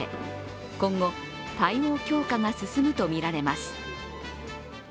今後、対応強化が進むとみられます。